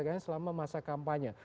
sebagai yang selama masa kampanye